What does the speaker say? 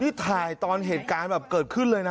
นี่ถ่ายตอนเหตุการณ์แบบเกิดขึ้นเลยนะ